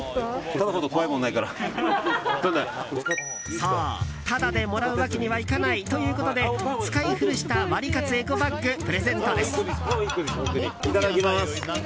そう、タダでもらうわけにはいかないということで使い古したワリカツエコバッグプレゼントです。